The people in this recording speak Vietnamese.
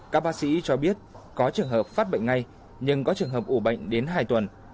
các bác sĩ cho biết có trường hợp phát bệnh ngay nhưng có trường hợp ủ bệnh đến hai tuần